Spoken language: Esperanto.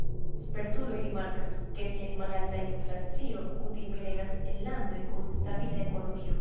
Spertuloj rimarkas, ke tiel malalta inflacio kutime regas en landoj kun stabila ekonomio.